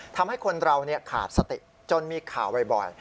ทำให้คนเราขาดสติจนมีข่าวบ่อย